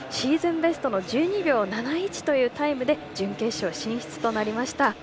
ベストの１２秒７１というタイムで準決勝進出となりました。